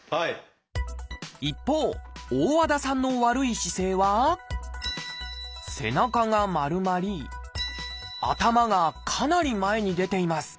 一方大和田さんの悪い姿勢は背中が丸まり頭がかなり前に出ています